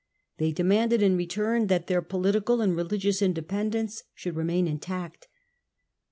They demanded in return that their political and religious in dependence should remain intact.